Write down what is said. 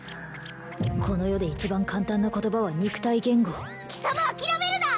この世で一番簡単な言葉は肉体言語貴様諦めるな！